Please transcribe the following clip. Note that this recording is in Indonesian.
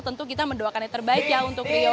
tentu kita mendoakannya terbaik ya untuk rio